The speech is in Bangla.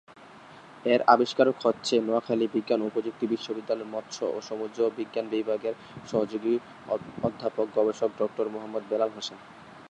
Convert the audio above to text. এর আবিষ্কারক হচ্ছেন নোয়াখালী বিজ্ঞান ও প্রযুক্তি বিশ্ববিদ্যালয়ের মৎস্য ও সমুদ্র বিজ্ঞান বিভাগের সহযোগী অধ্যাপক গবেষক ডাক্তার মোহাম্মদ বেলাল হোসেন।